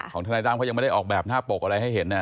ทนายตั้มเขายังไม่ได้ออกแบบหน้าปกอะไรให้เห็น